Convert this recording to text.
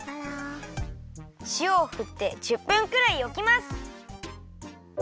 しおをふって１０分くらいおきます。